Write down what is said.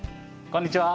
こんにちは。